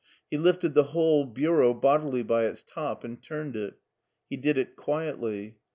He lifted the whole bureau bodily by its top and turned it. He did it quietly.